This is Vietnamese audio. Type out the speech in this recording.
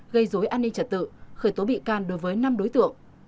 gây dối an ninh trật tự khởi tố bị can đối với năm đối tượng